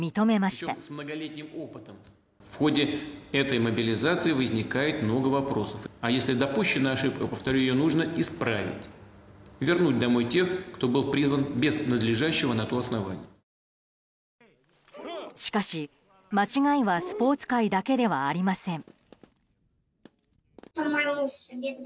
しかし、間違いはスポーツ界だけではありません。